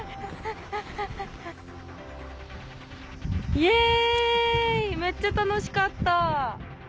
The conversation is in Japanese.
イェイめっちゃ楽しかった。